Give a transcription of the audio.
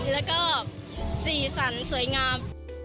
แล้วก็สีสันสวยงาม